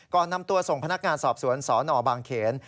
ก่อนนำตัวส่งพนักงานสอบสวนสนบางเขน